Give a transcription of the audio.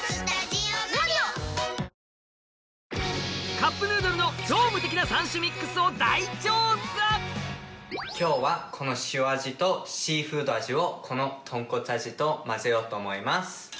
カップヌードルの今日はしお味とシーフード味を豚骨味と混ぜようと思います。